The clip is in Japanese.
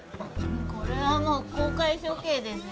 これはもう公開処刑ですよ。